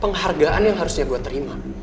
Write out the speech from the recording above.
penghargaan yang harusnya gue terima